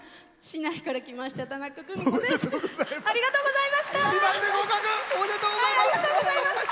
市内から来ました、たなかです。